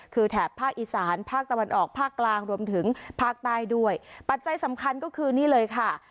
คือแถบภาคอีสานภาคตะวันออกภาคกลางรวมถึงภาคใต้ด้วยปัจจัยสำคัญก็คือนี่เลยค่ะ